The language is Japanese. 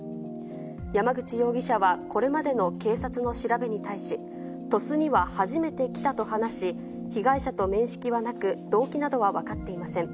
山口容疑者はこれまでの警察の調べに対し、鳥栖には初めて来たと話し、被害者と面識はなく、動機などは分かっていません。